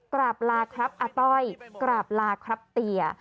กราบลาครับอาต้อยกราบลาครับเตีย